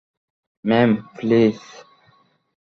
Ma'am, please!